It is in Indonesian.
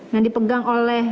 yang dipegang oleh